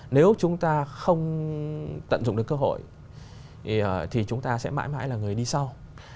nếu chúng ta không tận dụng được cơ hội thì chúng ta sẽ mãi mãi là người đi sau